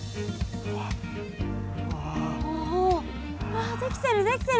わあできてるできてる。